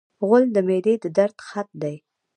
غول د معدې د درد خط دی.